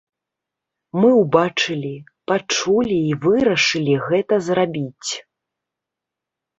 Мы ўбачылі, пачулі і вырашылі гэта зрабіць.